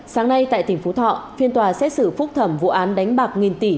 sáng nay tại tỉnh phú thọ phiên tòa xét xử phúc thẩm vụ án đánh bạc nghìn tỷ